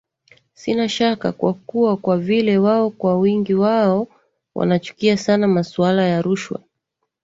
Sina shaka kuwa kwa vile wao kwa wingi wao wanachukia sana masuala ya rushwa